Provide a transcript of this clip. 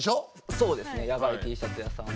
そうですねヤバイＴシャツ屋さんは。